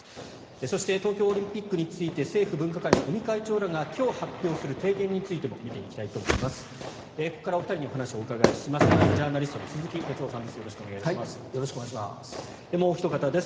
そして東京オリンピックについて政府分科会の尾身会長らが今日発表する提言についても見ていきたいと思います。